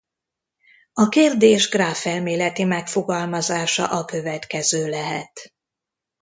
A kérdés gráfelméleti megfogalmazása a következő lehet.